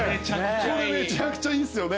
これめちゃくちゃいいっすよね。